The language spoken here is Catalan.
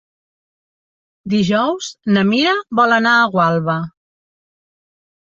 Dijous na Mira vol anar a Gualba.